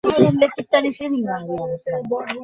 গৃহিণী মহিমের সাপ্তাহিক দিবানিদ্রাটি সম্পূর্ণ হইতে দিলেন না।